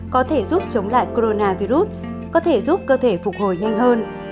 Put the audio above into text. có thể giúp chống lại coronavirus có thể giúp cơ thể phục hồi nhanh hơn